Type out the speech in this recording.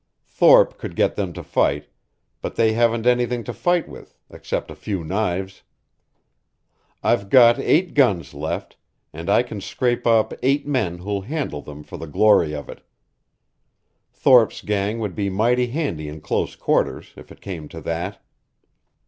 Thorpe could get them to fight, but they haven't anything to fight with, except a few knives. I've got eight guns left, and I can scrape up eight men who'll handle them for the glory of it. Thorpe's gang would be mighty handy in close quarters, if it came to that."